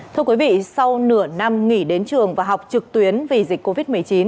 thưa quý vị sau nửa năm nghỉ đến trường và học trực tuyến vì dịch covid một mươi chín